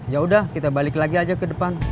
ya udah kita balik lagi aja ke depan